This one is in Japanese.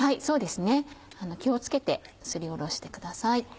そうですね気を付けてすりおろしてください。